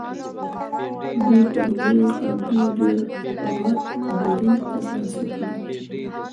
دوی پر لویې قوې ډېر غټ بری تر لاسه کړی.